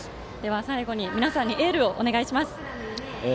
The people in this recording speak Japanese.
最後に皆さんにエールをお願いします。